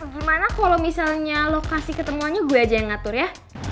gimana kalo misalnya lo kasih ketemuannya gue aja yang ngatur ya